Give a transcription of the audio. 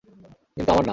কিন্তু আমার না।